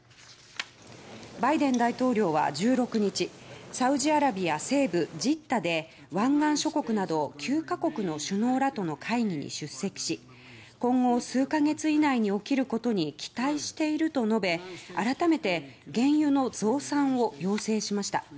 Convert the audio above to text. バイデン大統領は１６日サウジアラビア西部ジッダで湾岸諸国など９か国の首脳らとの会議に出席し今後数か月以内に起きることに期待していると述べ改めて原油の増産を要請しました。